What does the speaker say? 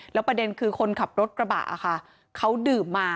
แล้วประเด็นคือคนขับรถกระบะค่ะเขาดื่มมา